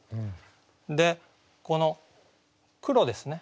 でこの「黒」ですね。